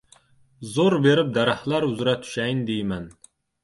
Zo‘r berib daraxtlar uzra tushayin, deyman.